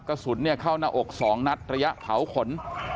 กระสุนเนี่ยเข้าหน้าอกสองนัดระยะเผาขน